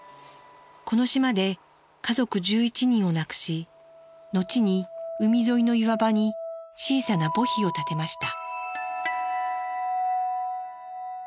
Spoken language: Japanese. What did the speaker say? この島で家族１１人を亡くし後に海沿いの岩場に小さな墓碑を建てました。